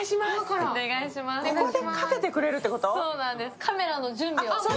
カメラの準備を。